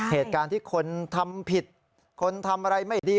เหตุการณ์ที่คนทำผิดคนทำอะไรไม่ดี